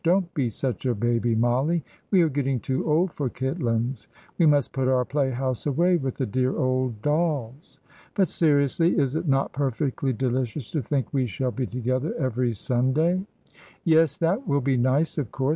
"Don't be such a baby, Mollie. We are getting too old for Kitlands. We must put our play house away with the dear old dolls. But, seriously, is it not perfectly delicious to think we shall be together every Sunday?" "Yes, that will be nice, of course.